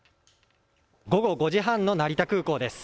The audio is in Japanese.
午後５時半の成田空港です。